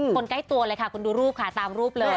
ใกล้ตัวเลยค่ะคุณดูรูปค่ะตามรูปเลย